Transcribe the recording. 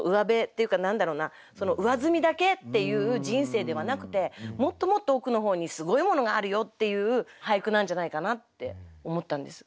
その上澄みだけっていう人生ではなくてもっともっと奥の方にすごいものがあるよっていう俳句なんじゃないかなって思ったんです。